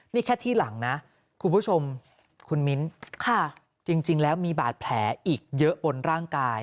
นี่แค่ที่หลังนะคุณผู้ชมคุณมิ้นจริงแล้วมีบาดแผลอีกเยอะบนร่างกาย